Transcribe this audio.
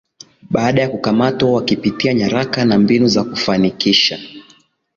baada ya kukamatwa wakipitia nyaraka na mbinu za kufanikisha